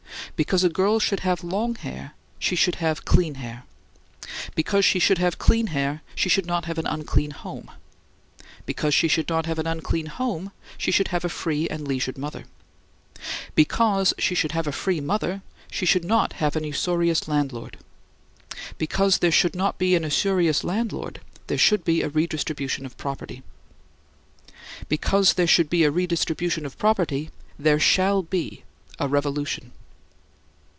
Because a girl should have long hair, she should have clean hair; because she should have clean hair, she should not have an unclean home: because she should not have an unclean home, she should have a free and leisured mother; because she should have a free mother, she should not have an usurious landlord; because there should not be an usurious landlord, there should be a redistribution of property; because there should be a redistribution of property, there shall be a revolution.